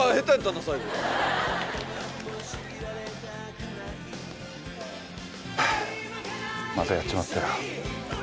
ハァまたやっちまったよ。